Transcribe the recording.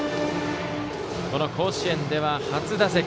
この甲子園では初打席。